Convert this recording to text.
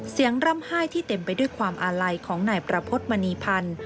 ร่ำไห้ที่เต็มไปด้วยความอาลัยของนายประพฤติมณีพันธ์